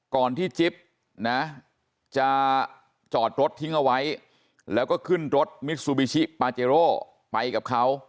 ก่อนที่จิ๊บนะจะจอดรถทิ้งเอาไว้แล้วก็ขึ้นรถมิซูบิชิปาเจโร่ไปกับเขา